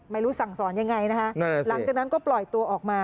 ไม่รู้สั่งสอนยังไงนะคะหลังจากนั้นก็ปล่อยตัวออกมา